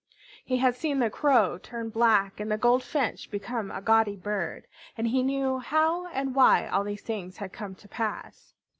He had seen the Crow turn black and the Goldfinch become a gaudy bird, and he knew how and why all these things had come to pass.